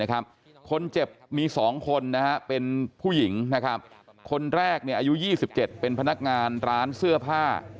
คนเจ็บมี๒คนเป็นผู้หญิงคนแรกอายุ๒๗เป็นพนักงานร้านเสื้อผ้า